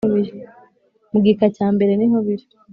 Mu gika cya mbere nihobiri.